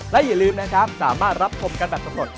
และอย่าลืมนะครับสามารถรับชมกันแบบสำรวจ